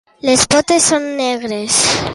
Les potes són negres.